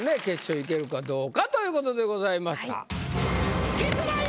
決勝行けるかどうかということでございました。